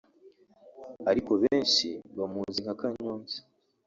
ariko benshi bamuzi nka Kanyombya